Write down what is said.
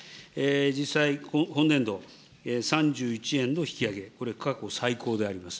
実際、今年度、３１円の引き上げ、これ、過去最高であります。